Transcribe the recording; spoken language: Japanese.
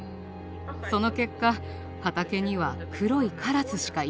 その結果畑には黒いカラスしかいません。